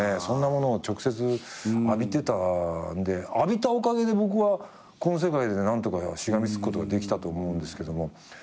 そんなものを直接浴びてたんで浴びたおかげで僕はこの世界で何とかしがみつくことができたと思うんですけども。